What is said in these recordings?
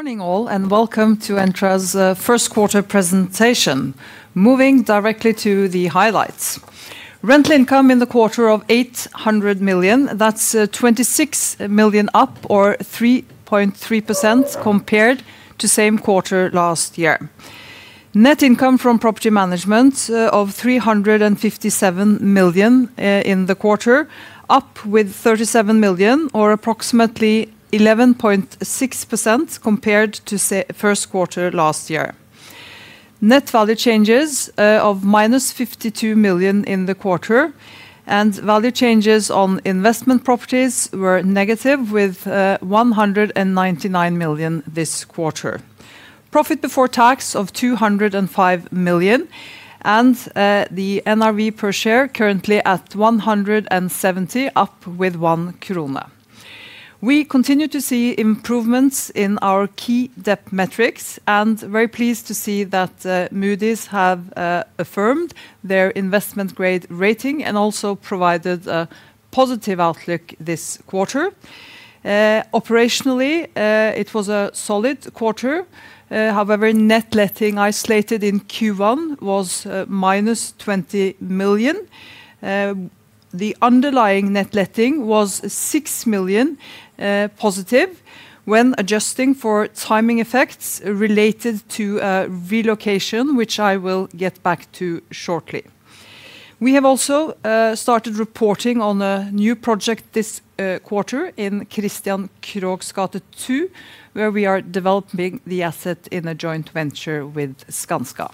Good morning all and welcome to Entra's first quarter presentation. Moving directly to the highlights. Rental income in the quarter of 800 million. That's 26 million up or 3.3% compared to same quarter last year. Net income from property management of 357 million in the quarter, up with 37 million, or approximately 11.6% compared to first quarter last year. Net value changes of -52 million in the quarter, and value changes on investment properties were negative with -199 million this quarter. Profit before tax of 205 million and the NRV per share currently at 170, up with 1 krone. We continue to see improvements in our key debt metrics and we're very pleased to see that Moody's have affirmed their investment grade rating and also provided a positive outlook this quarter. Operationally, it was a solid quarter. However, net letting isolated in Q1 was -20 million. The underlying net letting was 6 million positive when adjusting for timing effects related to relocation, which I will get back to shortly. We have also started reporting on a new project this quarter in Kristian Kroghs gate 2, where we are developing the asset in a joint venture with Skanska.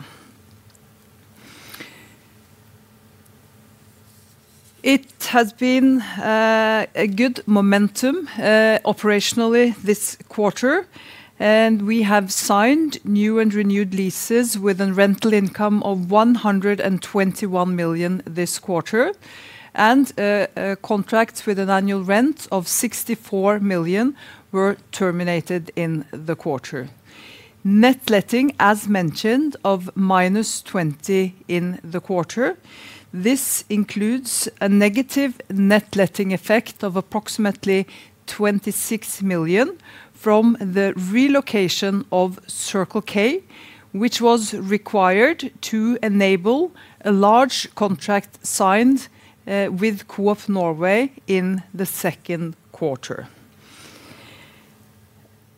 It has been a good momentum operationally this quarter, and we have signed new and renewed leases with a rental income of 121 million this quarter. Contracts with an annual rent of 64 million were terminated in the quarter. Net letting, as mentioned, of -20 million in the quarter. This includes a negative net letting effect of approximately 26 million from the relocation of Circle K, which was required to enable a large contract signed with Coop Norge in the second quarter.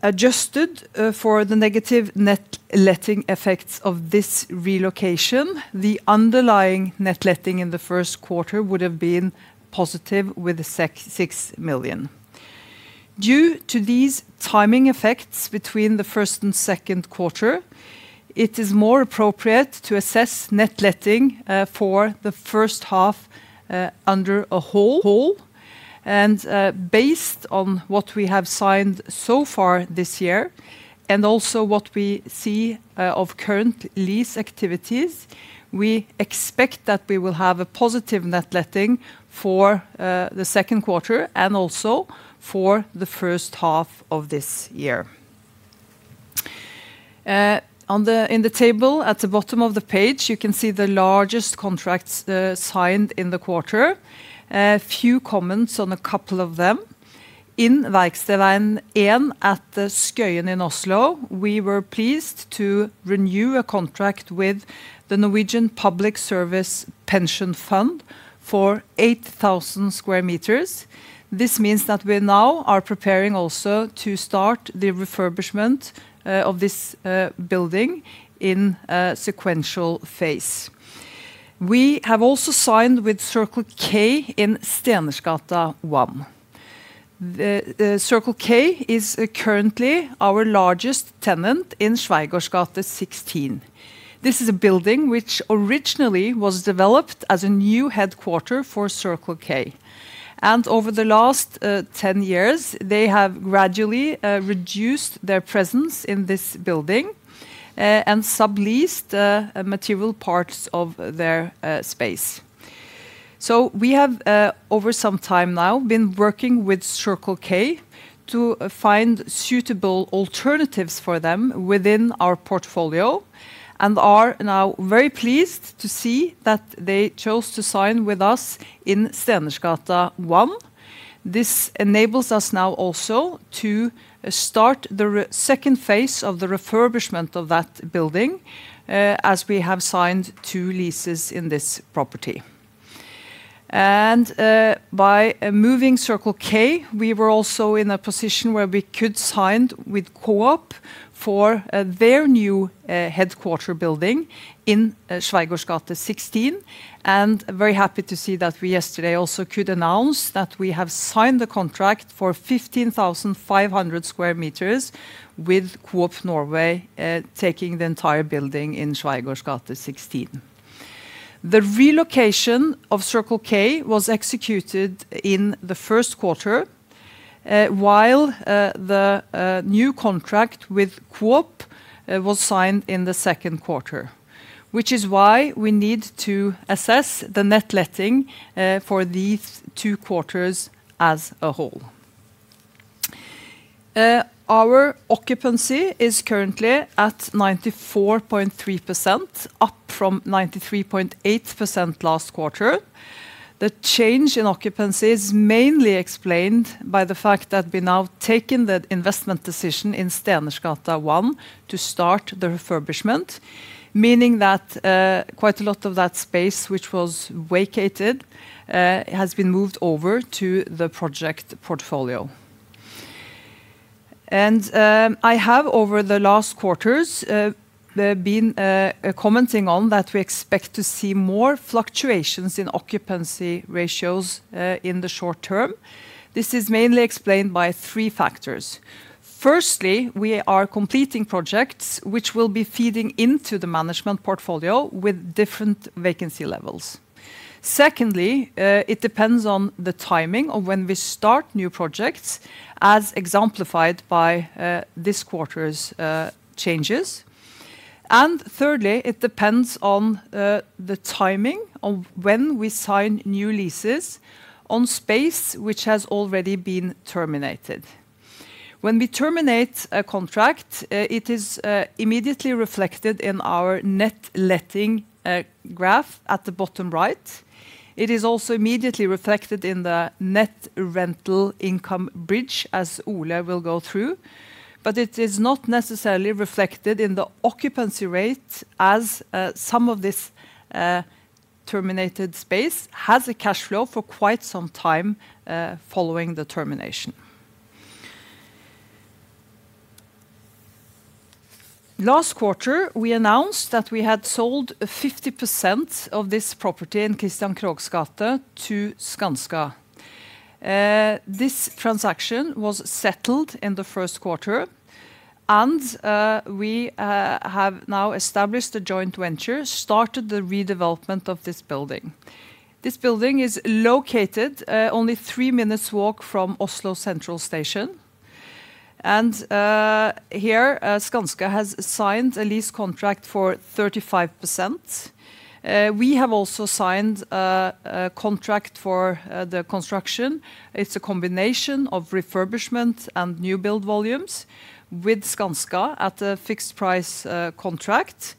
Adjusted for the negative net letting effects of this relocation, the underlying net letting in the first quarter would have been positive with 6 million. Due to these timing effects between the first and second quarter, it is more appropriate to assess net letting for the first half as a whole. Based on what we have signed so far this year and also what we see of current lease activities, we expect that we will have a positive net letting for the second quarter and also for the first half of this year. In the table at the bottom of the page, you can see the largest contracts signed in the quarter. A few comments on a couple of them. In Verkstedveien 1 at Skøyen in Oslo, we were pleased to renew a contract with the Norwegian Public Service Pension Fund for 8,000 sq m. This means that we now are preparing also to start the refurbishment of this building in a sequential phase. We have also signed with Circle K in Stenersgata 1. Circle K is currently our largest tenant in Schweigaards gate 16. This is a building which originally was developed as a new headquarters for Circle K. Over the last 10 years, they have gradually reduced their presence in this building and subleased material parts of their space. We have over some time now been working with Circle K to find suitable alternatives for them within our portfolio and are now very pleased to see that they chose to sign with us in Stenersgata 1. This enables us now also to start the second phase of the refurbishment of that building, as we have signed two leases in this property. By moving Circle K, we were also in a position where we could sign with Coop for their new headquarters building in Schweigaards gate 16, and very happy to see that we yesterday also could announce that we have signed the contract for 15,500 sq m with Coop Norge, taking the entire building in Schweigaards gate 16. The relocation of Circle K was executed in the first quarter, while the new contract with Coop was signed in the second quarter, which is why we need to assess the net letting for these two quarters as a whole. Our occupancy is currently at 94.3%, up from 93.8% last quarter. The change in occupancy is mainly explained by the fact that we're now taking the investment decision in Stenersgata 1 to start the refurbishment, meaning that quite a lot of that space which was vacated has been moved over to the project portfolio. I have over the last quarters, been commenting on that we expect to see more fluctuations in occupancy ratios in the short term. This is mainly explained by three factors. Firstly, we are completing projects which will be feeding into the management portfolio with different vacancy levels. Secondly, it depends on the timing of when we start new projects, as exemplified by this quarter's changes. Thirdly, it depends on the timing of when we sign new leases on space which has already been terminated. When we terminate a contract, it is immediately reflected in our net letting graph at the bottom right. It is also immediately reflected in the net rental income bridge as Ole will go through. It is not necessarily reflected in the occupancy rate as some of this terminated space has a cash flow for quite some time following the termination. Last quarter, we announced that we had sold 50% of this property in Kristian Kroghs gate to Skanska. This transaction was settled in the first quarter, and we have now established a joint venture, started the redevelopment of this building. This building is located only three minutes walk from Oslo Central Station. Here, Skanska has signed a lease contract for 35%. We have also signed a contract for the construction. It's a combination of refurbishment and new build volumes with Skanska at a fixed price contract.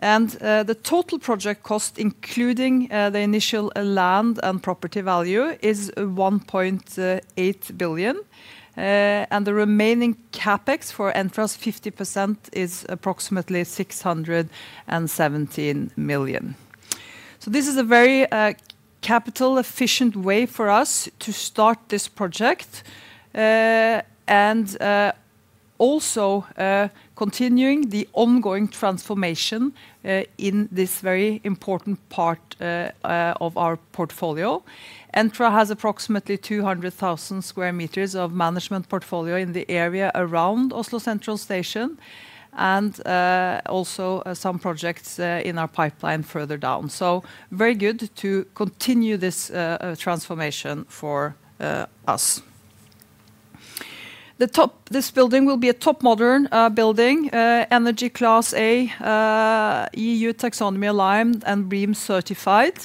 The total project cost, including the initial land and property value, is 1.8 billion. The remaining CapEx for Entra's 50% is approximately 617 million. This is a very capital efficient way for us to start this project, also continuing the ongoing transformation, in this very important part of our portfolio. Entra has approximately 200,000 sq m of management portfolio in the area around Oslo Central Station and also some projects in our pipeline further down. Very good to continue this transformation for us. This building will be a top modern building, energy class A, EU taxonomy aligned and BREEAM certified.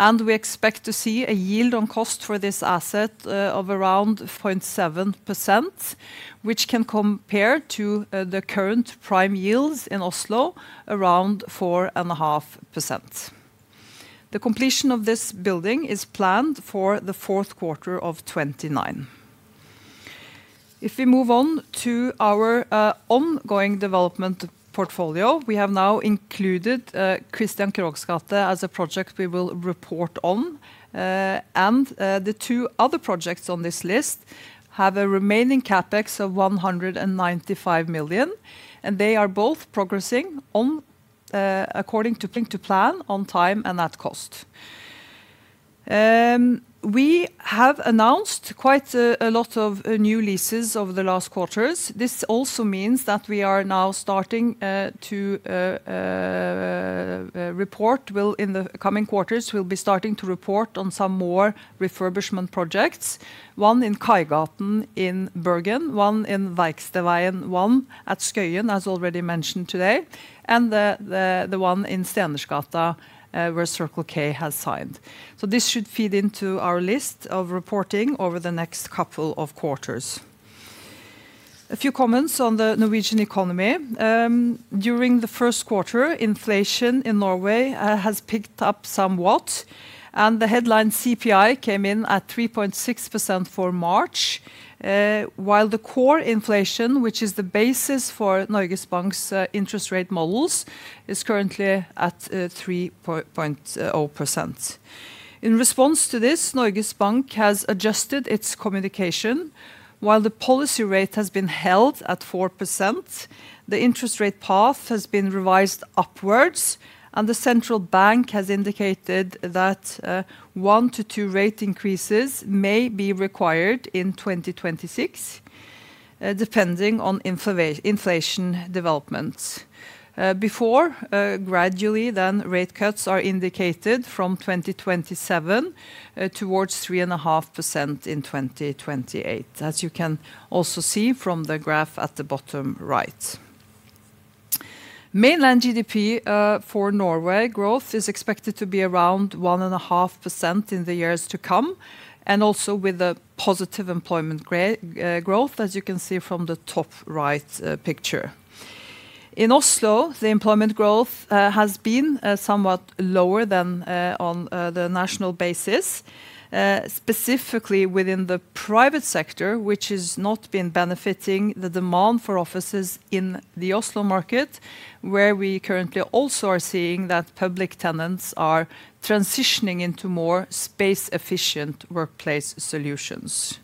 We expect to see a yield on cost for this asset of around 0.7%, which can compare to the current prime yields in Oslo around 4.5%. The completion of this building is planned for the fourth quarter of 2029. If we move on to our ongoing development portfolio, we have now included Kristian Kroghs gate as a project we will report on. The two other projects on this list have a remaining CapEx of 195 million, and they are both progressing according to plan, on time, and at cost. We have announced quite a lot of new leases over the last quarters. This also means that we are now starting to report. In the coming quarters, we'll be starting to report on some more refurbishment projects, one in Kaigaten in Bergen, one in Verkstedveien 1 at Skøyen, as already mentioned today, and the one in Stenersgata where Circle K has signed. This should feed into our list of reporting over the next couple of quarters. A few comments on the Norwegian economy. During the first quarter, inflation in Norway has picked up somewhat, and the headline CPI came in at 3.6% for March. While the core inflation, which is the basis for Norges Bank's interest rate models, is currently at 3.0%. In response to this, Norges Bank has adjusted its communication. While the policy rate has been held at 4%, the interest rate path has been revised upwards, and the central bank has indicated that 1-2 rate increases may be required in 2026, depending on inflation developments. Before gradually then rate cuts are indicated from 2027 towards 3.5% in 2028. As you can also see from the graph at the bottom right. Mainland GDP for Norway growth is expected to be around 1.5% in the years to come and also with a positive employment growth as you can see from the top right picture. In Oslo, the employment growth has been somewhat lower than on the national basis, specifically within the private sector, which has not been benefiting the demand for offices in the Oslo market, where we currently also are seeing that public tenants are transitioning into more space-efficient workplace solutions.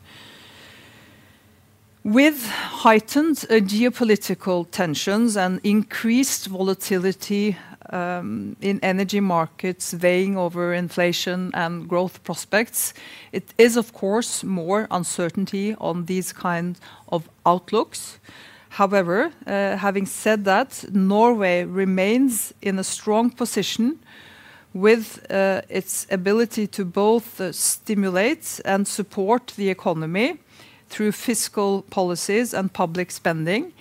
With heightened geopolitical tensions and increased volatility in energy markets weighing on inflation and growth prospects, there is of course more uncertainty on these kind of outlooks. However, having said that, Norway remains in a strong position with its ability to both stimulate and support the economy through fiscal policies and public spending,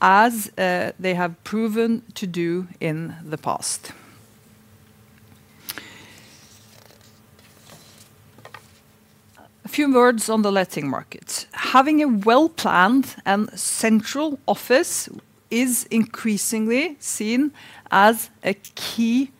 as they have proven to do in the past. A few words on the letting markets. Having a well-planned and central office is increasingly seen as a key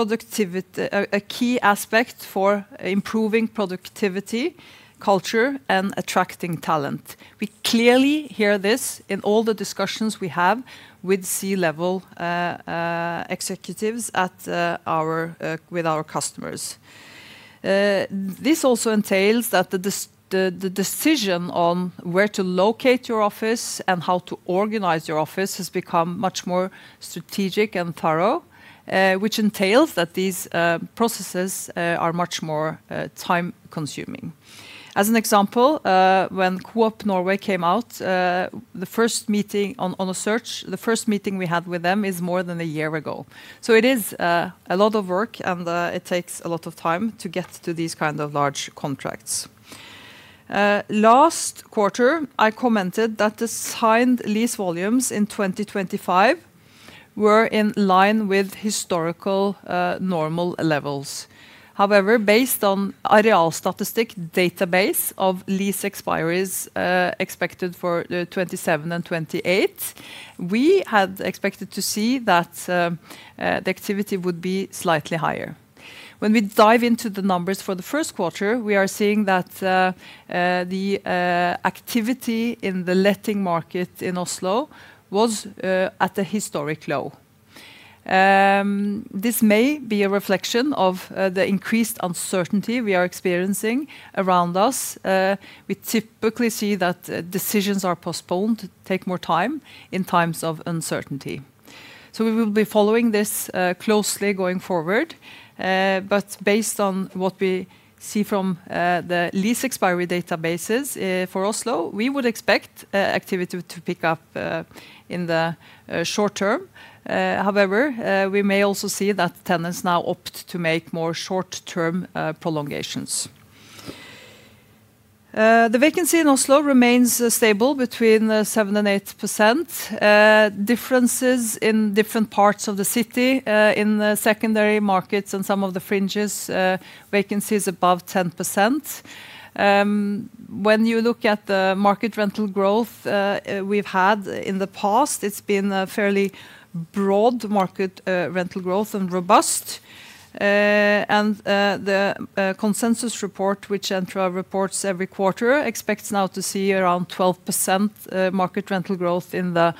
aspect for improving productivity, culture, and attracting talent. We clearly hear this in all the discussions we have with C-level executives with our customers. This also entails that the decision on where to locate your office and how to organize your office has become much more strategic and thorough, which entails that these processes are much more time consuming. As an example, when Coop Norge came out, the first meeting we had with them is more than a year ago. It is a lot of work and it takes a lot of time to get to these kind of large contracts. Last quarter, I commented that the signed lease volumes in 2025 were in line with historical normal levels. However, based on [Arealstatistikk] database of lease expiries expected for 2027 and 2028, we had expected to see that the activity would be slightly higher. When we dive into the numbers for the first quarter, we are seeing that the activity in the letting market in Oslo was at a historic low. This may be a reflection of the increased uncertainty we are experiencing around us. We typically see that decisions are postponed, take more time in times of uncertainty. We will be following this closely going forward. Based on what we see from the lease expiry databases for Oslo, we would expect activity to pick up in the short term. However, we may also see that tenants now opt to make more short-term prolongations. The vacancy in Oslo remains stable between 7%-8%, differences in different parts of the city. In the secondary markets and some of the fringes, vacancy is above 10%. When you look at the market rental growth we've had in the past, it's been a fairly broad market rental growth and robust. The consensus report, which Entra reports every quarter, expects now to see around 12% market rental growth in the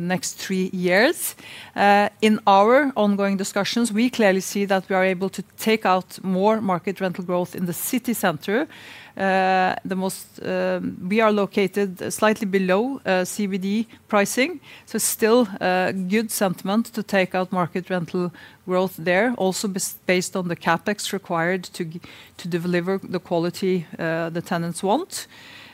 next three years. In our ongoing discussions, we clearly see that we are able to take out more market rental growth in the city center. We are located slightly below CBD pricing, so still good sentiment to take out market rental growth there. Also based on the CapEx required to deliver the quality the tenants want.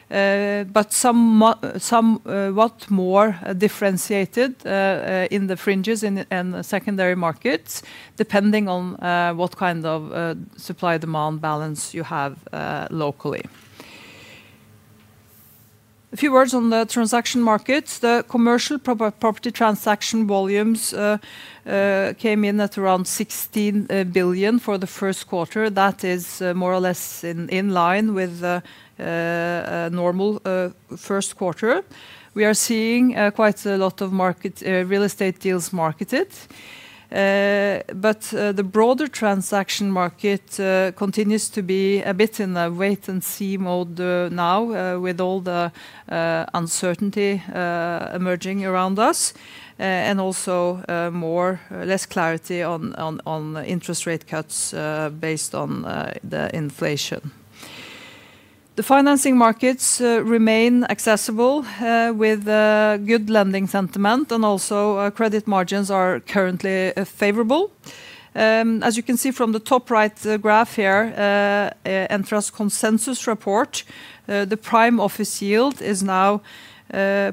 Somewhat more differentiated in the fringes and the secondary markets, depending on what kind of supply-demand balance you have locally. A few words on the transaction markets. The commercial property transaction volumes came in at around 16 billion for the first quarter. That is more or less in line with normal first quarter. We are seeing quite a lot of real estate deals marketed. The broader transaction market continues to be a bit in the wait and see mode now with all the uncertainty emerging around us. also less clarity on interest rate cuts based on the inflation. The financing markets remain accessible with good lending sentiment and also credit margins are currently favorable. As you can see from the top right graph here, Entra's consensus report, the prime office yield is now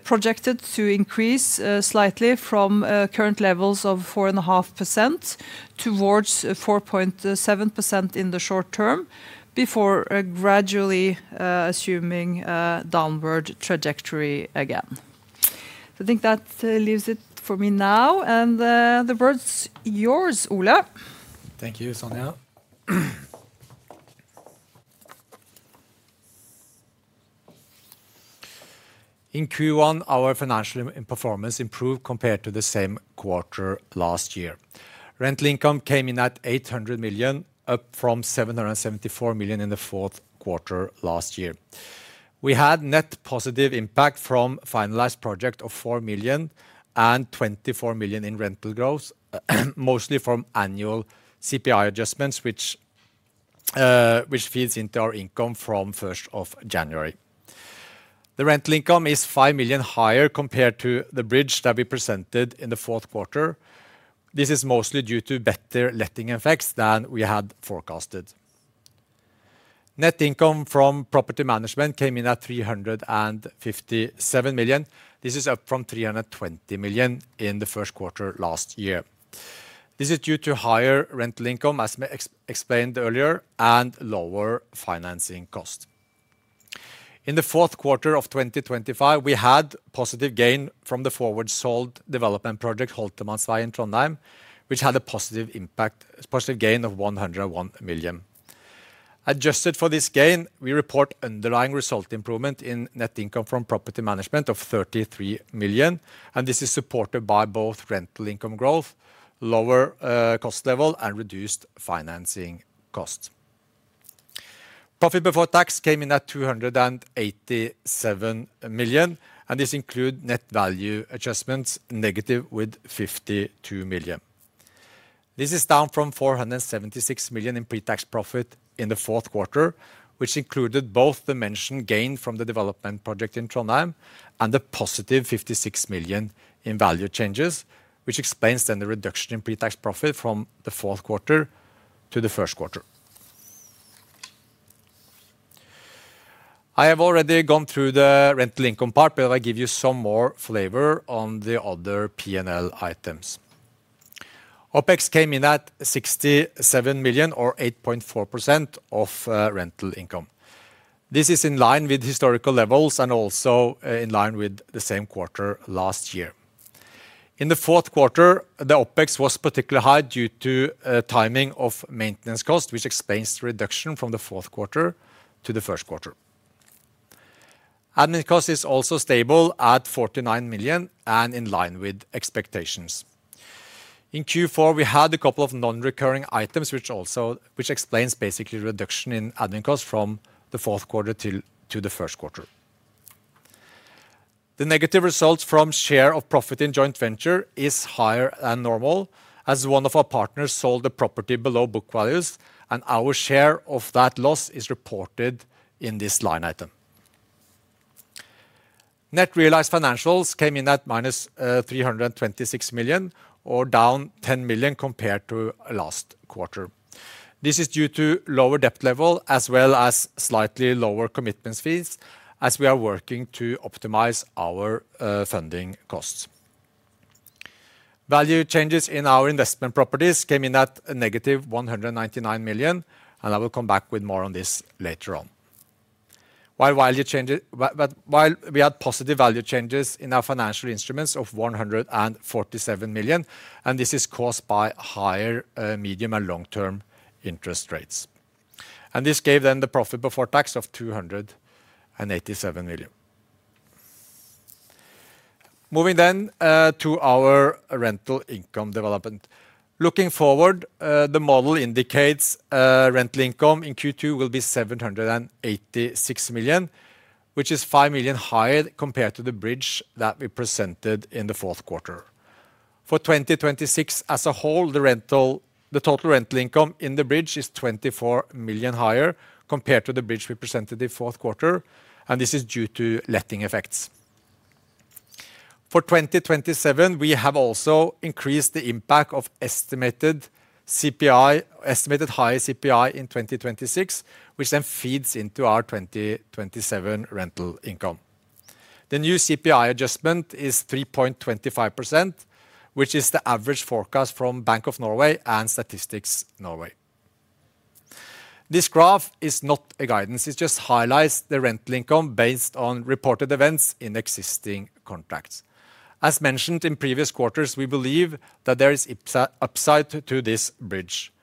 projected to increase slightly from current levels of 4.5% towards 4.7% in the short term, before gradually assuming a downward trajectory again. I think that leaves it for me now, and the word's yours, Ole. Thank you, Sonja. In Q1, our financial performance improved compared to the same quarter last year. Rental income came in at 800 million, up from 774 million in the fourth quarter last year. We had net positive impact from finalized project of 4 million and 24 million in rental growth, mostly from annual CPI adjustments, which feeds into our income from 1st of January. The rental income is 5 million higher compared to the bridge that we presented in the fourth quarter. This is mostly due to better letting effects than we had forecasted. Net income from property management came in at 357 million. This is up from 320 million in the first quarter last year. This is due to higher rental income, as explained earlier, and lower financing cost. In the fourth quarter of 2025, we had positive gain from the forward sold development project, [Holtermanns veg in Trondheim], which had a positive gain of 101 million. Adjusted for this gain, we report underlying result improvement in net income from property management of 33 million, and this is supported by both rental income growth, lower cost level, and reduced financing costs. Profit before tax came in at 287 million, and this include net value adjustments negative with 52 million. This is down from 476 million in pre-tax profit in the fourth quarter, which included both the mentioned gain from the development project in Trondheim and the positive 56 million in value changes, which explains then the reduction in pre-tax profit from the fourth quarter to the first quarter. I have already gone through the rental income part, but I'll give you some more flavor on the other P&L items. OpEx came in at 67 million or 8.4% of rental income. This is in line with historical levels and also in line with the same quarter last year. In the fourth quarter, the OpEx was particularly high due to timing of maintenance cost, which explains the reduction from the fourth quarter to the first quarter. Admin cost is also stable at 49 million and in line with expectations. In Q4, we had a couple of non-recurring items, which explains basically reduction in admin cost from the fourth quarter to the first quarter. The negative results from share of profit in joint venture is higher than normal as one of our partners sold the property below book values, and our share of that loss is reported in this line item. Net realized financials came in at -326 million or down 10 million compared to last quarter. This is due to lower debt level as well as slightly lower commitment fees as we are working to optimize our funding costs. Value changes in our investment properties came in at a -199 million, and I will come back with more on this later on. While we had positive value changes in our financial instruments of 147 million, and this is caused by higher medium- and long-term interest rates. This gave then the profit before tax of 287 million. Moving then to our rental income development. Looking forward, the model indicates rental income in Q2 will be 786 million, which is 5 million higher compared to the bridge that we presented in the fourth quarter. For 2026 as a whole, the total rental income in the bridge is 24 million higher compared to the bridge we presented in fourth quarter, and this is due to letting effects. For 2027, we have also increased the impact of estimated higher CPI in 2026, which then feeds into our 2027 rental income. The new CPI adjustment is 3.25%, which is the average forecast from Norges Bank and Statistics Norway. This graph is not a guidance. It just highlights the rental income based on reported events in existing contracts. As mentioned in previous quarters, we believe that there is upside to this bridge.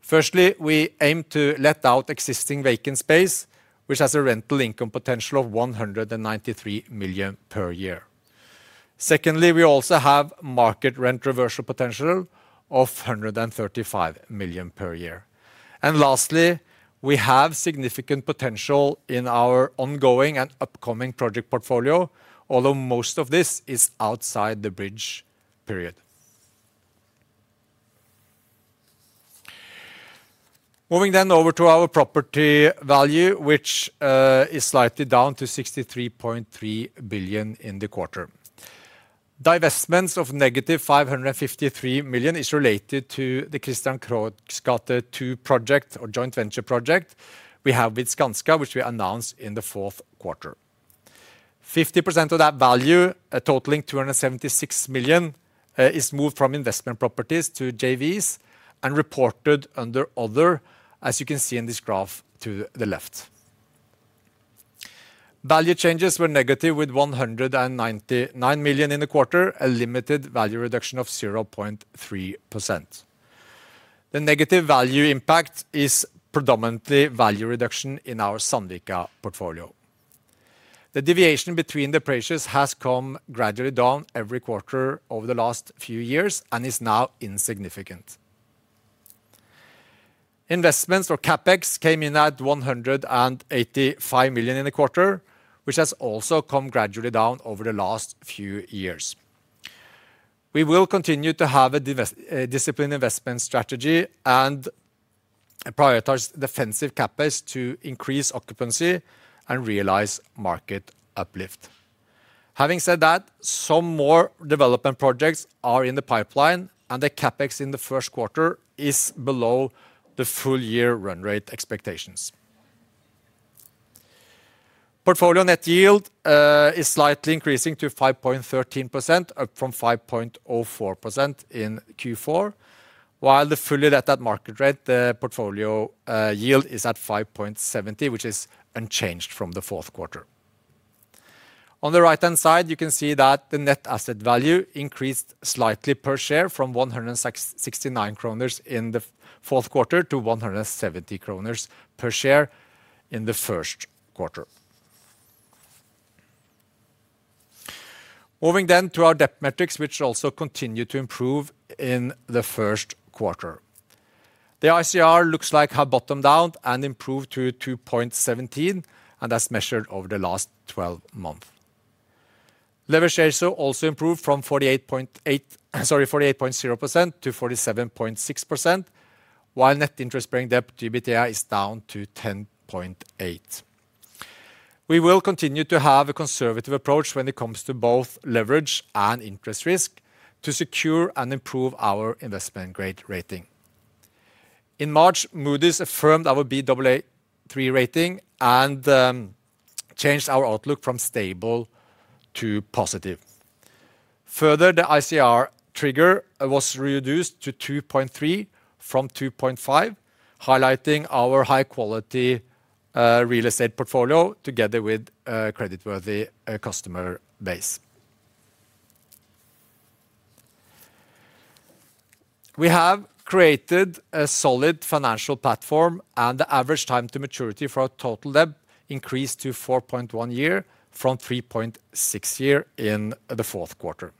Firstly, we aim to let out existing vacant space, which has a rental income potential of 193 million per year. Secondly, we also have market rent reversal potential of 135 million per year. Lastly, we have significant potential in our ongoing and upcoming project portfolio. Although most of this is outside the bridge period. Moving over to our property value, which is slightly down to 63.3 billion in the quarter. Divestments of -553 million is related to the Kristian Kroghs gate 2 project or joint venture project we have with Skanska, which we announced in the fourth quarter. 50% of that value, totaling 276 million, is moved from investment properties to JVs and reported under other, as you can see in this graph to the left. Value changes were negative with 199 million in the quarter, a limited value reduction of 0.3%. The negative value impact is predominantly value reduction in our Sandvika portfolio. The deviation between the pressures has come gradually down every quarter over the last few years and is now insignificant. Investments or CapEx came in at 185 million in the quarter, which has also come gradually down over the last few years. We will continue to have a disciplined investment strategy and prioritize defensive CapEx to increase occupancy and realize market uplift. Having said that, some more development projects are in the pipeline and the CapEx in the first quarter is below the full year run rate expectations. Portfolio net yield is slightly increasing to 5.13%, up from 5.04% in Q4, while the fully let at market rate, the portfolio yield is at 5.70%, which is unchanged from the fourth quarter. On the right-hand side, you can see that the net asset value increased slightly per share from 169 kroner in the fourth quarter to 170 kroner per share in the first quarter. Moving then to our debt metrics, which also continue to improve in the first quarter. The ICR looks like it has bottomed out and improved to 2.17, and that's measured over the last 12 months. Leverage ratio also improved from 48.0% to 47.6%, while net interest bearing debt to EBITDA is down to 10.8. We will continue to have a conservative approach when it comes to both leverage and interest risk to secure and improve our investment-grade rating. In March, Moody's affirmed our Baa3 rating and changed our outlook from stable to positive. Further, the ICR trigger was reduced to 2.3 from 2.5, highlighting our high-quality real estate portfolio together with a creditworthy customer base. We have created a solid financial platform, and the average time to maturity for our total debt increased to 4.1 years from 3.6 years in the fourth quarter.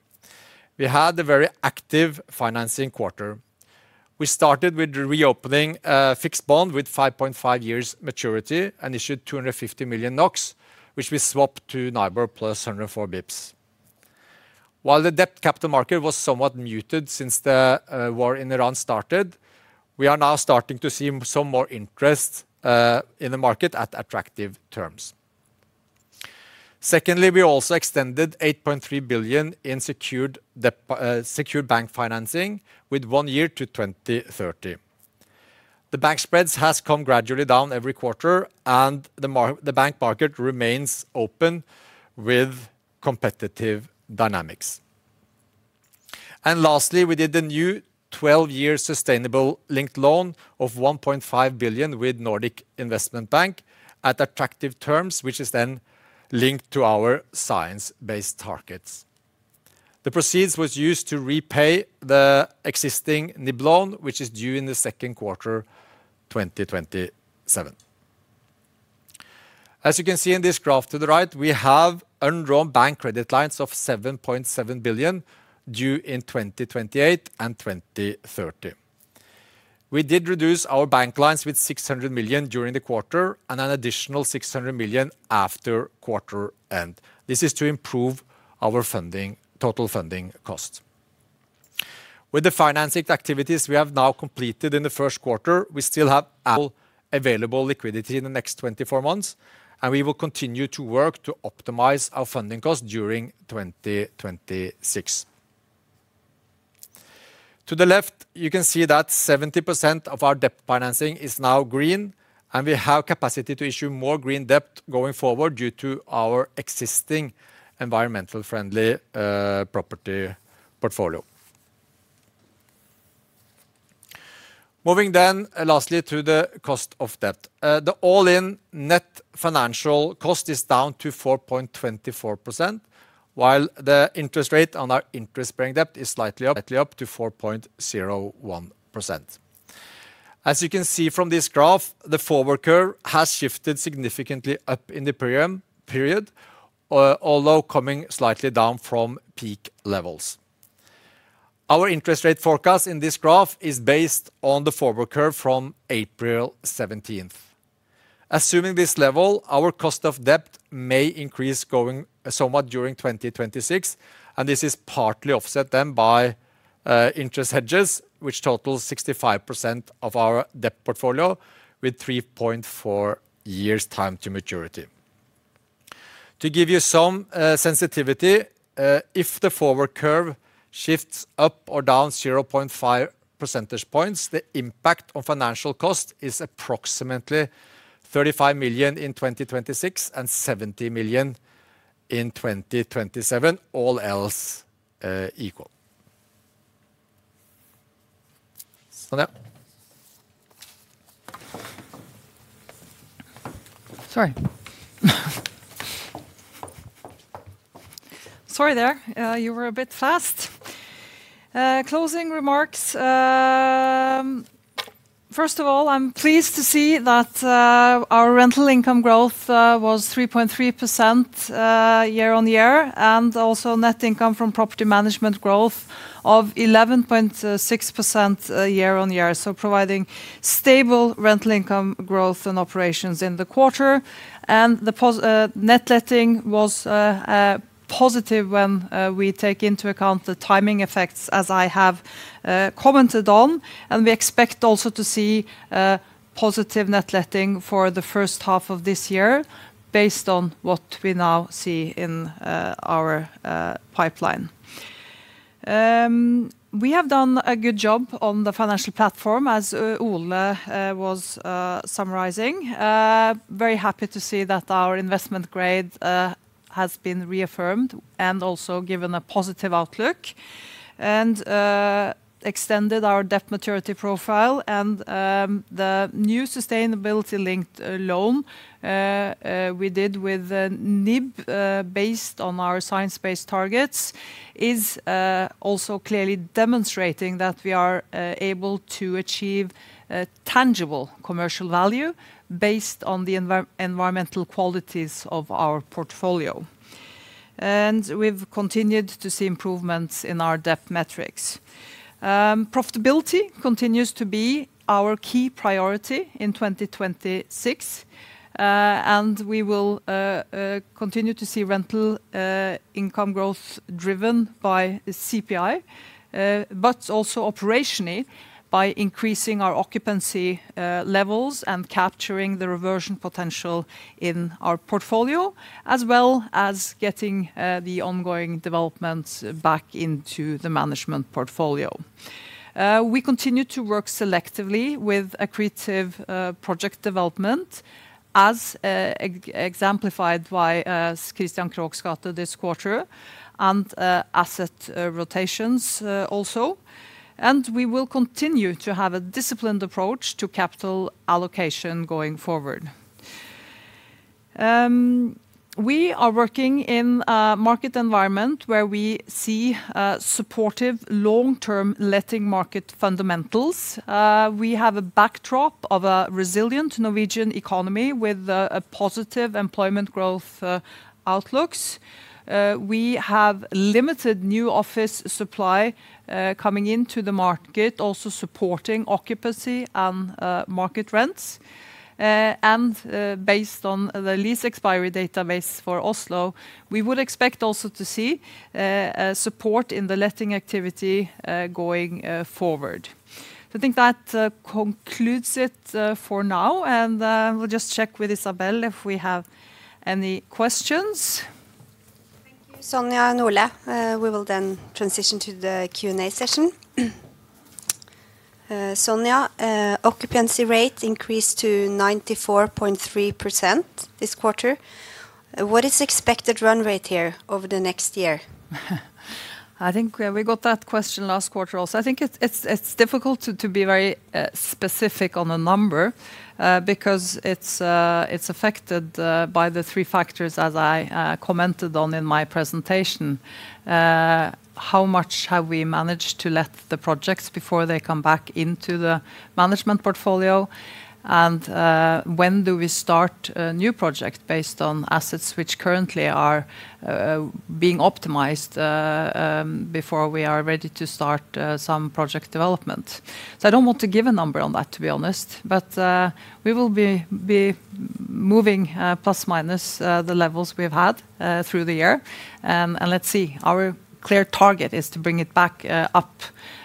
We had a very active financing quarter. We started with the reopening fixed bond with 5.5 years maturity and issued 250 million NOK, which we swapped to NIBOR+ 104 basis points. While the debt capital market was somewhat muted since the war in Ukraine started, we are now starting to see some more interest in the market at attractive terms. Secondly, we also extended 8.3 billion in secured bank financing with one year to 2030. The bank spreads has come gradually down every quarter, and the bank market remains open with competitive dynamics. Lastly, we did the new 12-year sustainable linked loan of 1.5 billion with Nordic Investment Bank at attractive terms, which is then linked to our science-based targets. The proceeds was used to repay the existing NIB loan, which is due in the second quarter 2027. As you can see in this graph to the right, we have undrawn bank credit lines of 7.7 billion due in 2028 and 2030. We did reduce our bank lines with 600 million during the quarter and an additional 600 million after quarter end. This is to improve our total funding cost. With the financing activities we have now completed in the first quarter, we still have available liquidity in the next 24 months, and we will continue to work to optimize our funding cost during 2026. To the left, you can see that 70% of our debt financing is now green, and we have capacity to issue more green debt going forward due to our existing environmentally friendly property portfolio. Moving then lastly to the cost of debt. The all-in net financial cost is down to 4.24%, while the interest rate on our interest-bearing debt is slightly up to 4.01%. As you can see from this graph, the forward curve has shifted significantly up in the period, although coming slightly down from peak levels. Our interest rate forecast in this graph is based on the forward curve from April 17th. Assuming this level, our cost of debt may increase somewhat during 2026, and this is partly offset then by interest hedges, which totals 65% of our debt portfolio with 3.4 years time to maturity. To give you some sensitivity, if the forward curve shifts up or down 0.5 percentage points, the impact on financial cost is approximately 35 million in 2026 and 70 million in 2027, all else equal. Yeah. Sorry. Sorry there. You were a bit fast. Closing remarks. First of all, I'm pleased to see that our rental income growth was 3.3% year-on-year and also net income from property management growth of 11.6% year-on-year. Providing stable rental income growth and operations in the quarter. The net letting was positive when we take into account the timing effects, as I have commented on. We expect also to see positive net letting for the first half of this year based on what we now see in our pipeline. We have done a good job on the financial platform as Ole was summarizing. Very happy to see that our investment grade has been reaffirmed and also given a positive outlook. We extended our debt maturity profile and the new sustainability linked loan we did with NIB based on our science-based targets, is also clearly demonstrating that we are able to achieve tangible commercial value based on the environmental qualities of our portfolio. We've continued to see improvements in our debt metrics. Profitability continues to be our key priority in 2026. We will continue to see rental income growth driven by CPI, but also operationally by increasing our occupancy levels and capturing the reversion potential in our portfolio, as well as getting the ongoing developments back into the management portfolio. We continue to work selectively with accretive project development as exemplified by Kristian Kroghs gate this quarter, and asset rotations also. We will continue to have a disciplined approach to capital allocation going forward. We are working in a market environment where we see supportive long-term letting market fundamentals. We have a backdrop of a resilient Norwegian economy with positive employment growth outlooks. We have limited new office supply coming into the market, also supporting occupancy and market rents. Based on the lease expiry database for Oslo, we would expect also to see support in the letting activity going forward. I think that concludes it for now, and we'll just check with Isabel if we have any questions. Thank you, Sonja and Ole. We will then transition to the Q&A session. Sonja, occupancy rate increased to 94.3% this quarter. What is the expected run rate here over the next year? I think we got that question last quarter also. I think it's difficult to be very specific on the number because it's affected by the three factors as I commented on in my presentation. How much have we managed to let the projects before they come back into the management portfolio? When do we start a new project based on assets which currently are being optimized before we are ready to start some project development? I don't want to give a number on that, to be honest. We will be moving plus or minus the levels we've had through the year. Let's see. Our clear target is to bring it back up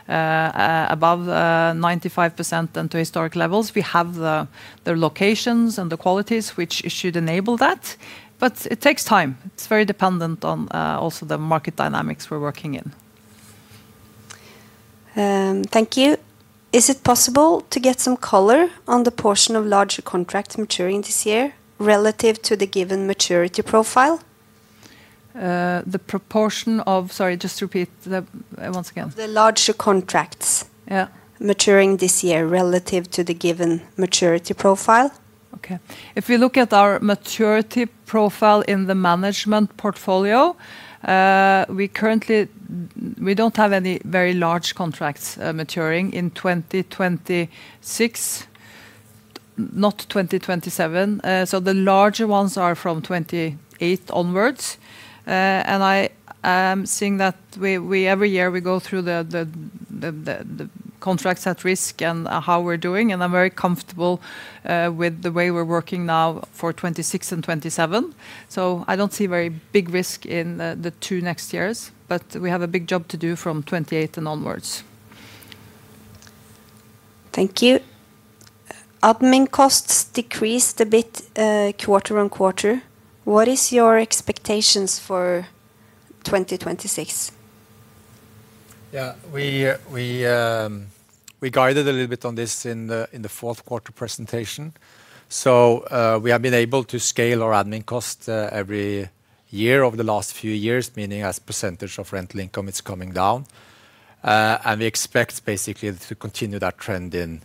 above 95% and to historic levels. We have the locations and the qualities which should enable that, but it takes time. It's very dependent on also the market dynamics we're working in. Thank you. Is it possible to get some color on the portion of larger contracts maturing this year relative to the given maturity profile? Sorry, just repeat that once again. The larger contracts. Yeah maturing this year relative to the given maturity profile. Okay. If we look at our maturity profile in the management portfolio, we don't have any very large contracts maturing in 2026, not 2027. The larger ones are from 2028 onwards. I am seeing that every year we go through the contracts at risk and how we're doing, and I'm very comfortable with the way we're working now for 2026 and 2027. I don't see very big risk in the two next years, but we have a big job to do from 2028 and onwards. Thank you. Admin costs decreased a bit quarter-over-quarter. What is your expectations for 2026? Yeah. We guided a little bit on this in the fourth quarter presentation. We have been able to scale our admin cost every year over the last few years, meaning as percentage of rental income, it's coming down. We expect basically to continue that trend in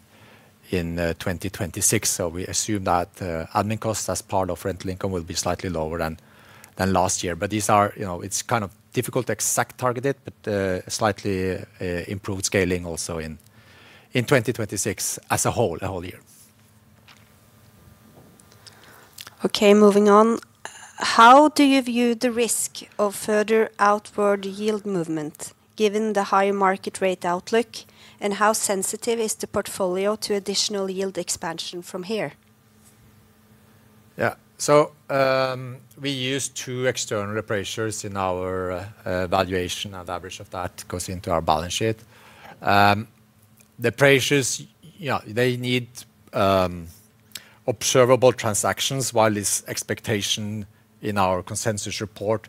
2026. We assume that admin costs as part of rental income will be slightly lower than last year. It's kind of difficult to exactly target it, but slightly improved scaling also in 2026 as a whole year. Okay. Moving on. How do you view the risk of further outward yield movement given the higher market rate outlook, and how sensitive is the portfolio to additional yield expansion from here? Yeah. We use two external appraisers in our valuation, and average of that goes into our balance sheet. The appraisers, they need observable transactions while its expectation in our consensus report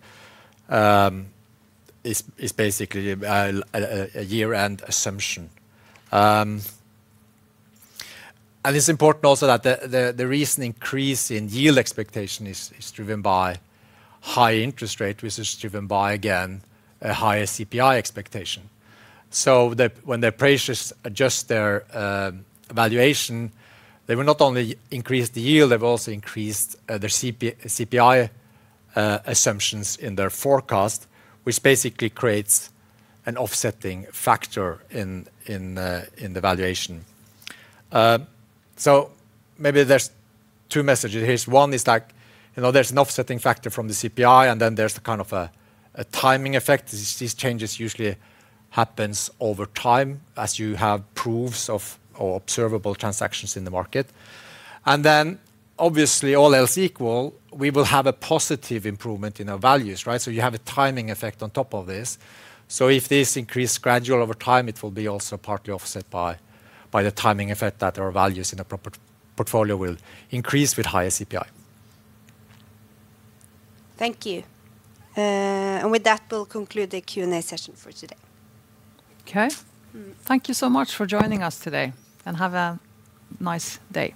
is basically a year-end assumption. It's important also that the recent increase in yield expectation is driven by high interest rate, which is driven by, again, a higher CPI expectation. When the appraisers adjust their valuation, they will not only increase the yield, they've also increased their CPI assumptions in their forecast, which basically creates an offsetting factor in the valuation. Maybe there's two messages here. One is there's an offsetting factor from the CPI, and then there's the kind of a timing effect. These changes usually happens over time as you have proofs of observable transactions in the market. Obviously all else equal, we will have a positive improvement in our values, right? You have a timing effect on top of this. If this increase gradual over time, it will be also partly offset by the timing effect that our values in the portfolio will increase with higher CPI. Thank you. With that, we'll conclude the Q&A session for today. Okay. Thank you so much for joining us today, and have a nice day.